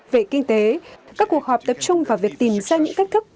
về kinh tế các cuộc họp tập trung vào việc tìm ra những cách thức